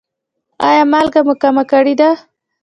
ایا مالګه مو کمه کړې ده؟